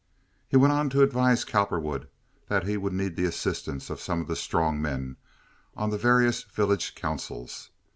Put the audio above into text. He went on to advise Cowperwood that he would need the assistance of some of the strong men on the various village councils.